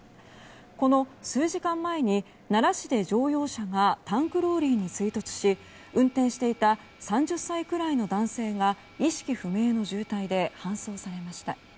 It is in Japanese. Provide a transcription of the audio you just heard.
この数時間前に奈良市で乗用車がタンクローリーに追突し運転していた３０歳くらいの男性が意識不明の重体で搬送されました。